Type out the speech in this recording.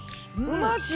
うまし。